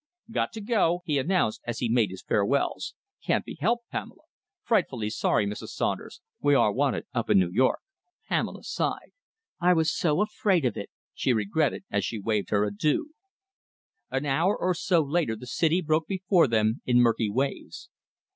"Got to go," he announced as he made his farewells. "Can't be helped, Pamela. Frightfully sorry, Mrs. Saunders, we are wanted up in New York." Pamela sighed. "I was so afraid of it," she regretted as she waved her adieux. .... An hour or so later the city broke before them in murky waves.